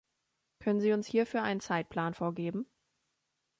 Könnten Sie uns hierfür einen Zeitplan vorgeben?